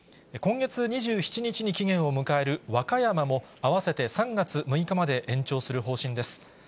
今月２７日に期限を迎える和歌山も、合わせて３月６日まで延長する方針です。